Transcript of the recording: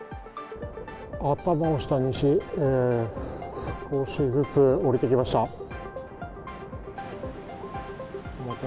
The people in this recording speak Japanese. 頭を下にし少しずつ下りてきました。